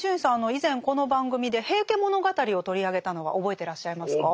以前この番組で「平家物語」を取り上げたのは覚えてらっしゃいますか？